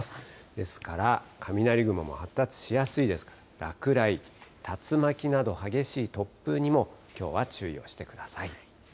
ですから、雷雲も発達しやすいですから、落雷、竜巻など激しい突風にもきょうは注意をしてください。